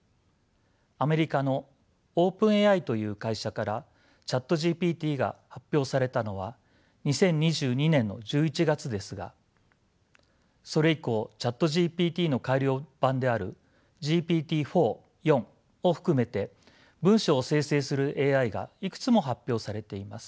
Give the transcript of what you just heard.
アメリカのオープンＡＩという会社からＣｈａｔＧＰＴが発表されたのは２０２２年の１１月ですがそれ以降ＣｈａｔＧＰＴの改良版であるＧＰＴ−４を含めて文章を生成するＡＩがいくつも発表されています。